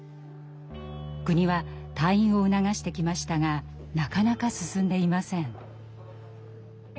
国は退院を促してきましたがなかなか進んでいません。